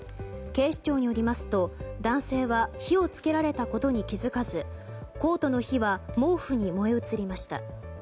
警視庁によりますと、男性は火をつけられたことに気づかずコートの火は毛布に燃え移りました。